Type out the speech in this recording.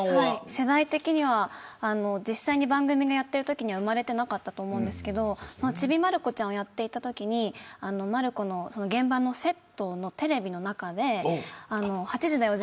世代的には実際に番組をやっているときに生まれてなかったと思うんですけどちびまる子ちゃんをやっていたときにまる子の現場のセットのテレビの中で８時だョ！